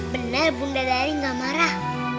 benar bunda dari nggak marah